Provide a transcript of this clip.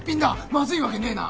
まずいわけねぇな。